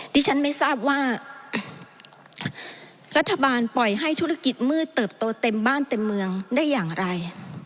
ที่ฉันไม่ทราบว่ารัฐบาลปล่อยให้ธุรกิจมืดเติบโตเต็มบ้านเต็มเมืองได้อย่างไร